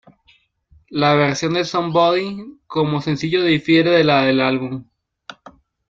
La versión de "Somebody" como sencillo difiere de la del álbum.